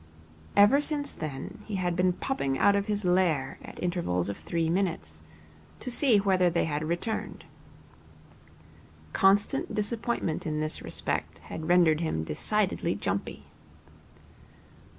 Ever since then, he had been popping out of his lair at intervals of three minutes, to see whether they had returned. Constant disappointment in this respect had rendered him decidedly jumpy.